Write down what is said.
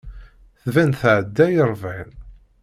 Tban tɛedda i ṛebɛin.